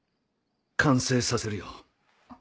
完成させるよ。